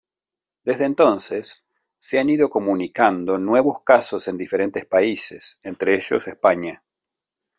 Desde entonces, se han ido comunicando nuevos casos en diferentes países, entre ellos España.